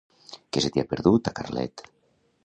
Què se t'hi ha perdut, a Carlet?